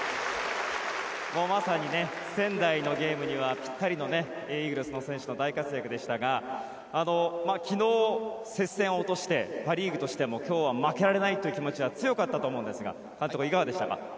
まさに仙台のゲームにはぴったりの、イーグルスの選手の大活躍でしたが昨日、接戦を落としてパ・リーグとしても今日は負けられないという気持ちが強かったと思うんですが監督いかがでしたか。